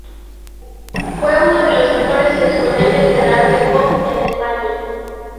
Fue uno de los mejores exponentes del arte pop en España.